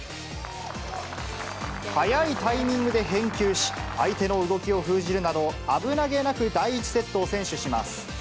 早いタイミングで返球し、相手の動きを封じるなど、危なげなく第１セットを先取します。